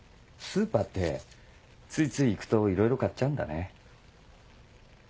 スーパーってついつい行くといろいろ買っちゃうんだね。